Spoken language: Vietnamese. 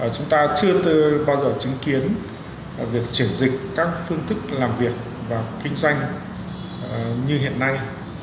chúng ta chưa bao giờ chứng kiến việc chuyển dịch các phương thức làm việc và kinh doanh như hiện nay